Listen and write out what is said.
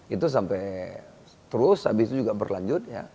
itu sampai terus habis itu juga berlanjut ya